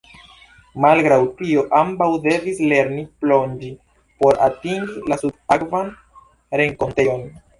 Malgraŭ tio, ambaŭ devis lerni plonĝi por atingi la subakvan renkontejon.